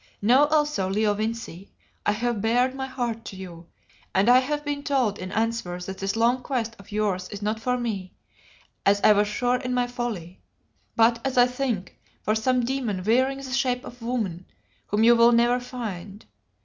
Know also, Leo Vincey, I have bared my heart to you, and I have been told in answer that this long quest of yours is not for me, as I was sure in my folly, but, as I think, for some demon wearing the shape of woman, whom you will never find.